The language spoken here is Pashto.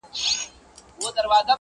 • د حاجتمندو حاجتونه راځي ,